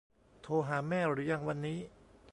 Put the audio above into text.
โทรหาแม่หรือยังวันนี้